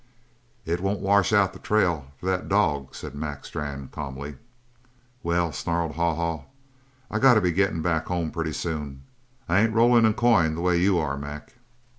"It won't wash out the trail for that dog," said Mac Strann calmly. "Well," snarled Haw Haw, "I got to be gettin' back home pretty soon. I ain't rollin' in coin the way you are, Mac."